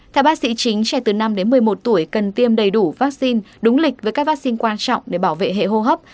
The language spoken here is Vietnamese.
theo bác sĩ chính trẻ từ năm đến một mươi một tuổi cần tiêm đầy đủ vaccine đúng lịch với các vaccine quan trọng để bảo vệ hệ hô hấp